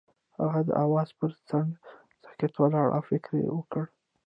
هغه د اواز پر څنډه ساکت ولاړ او فکر وکړ.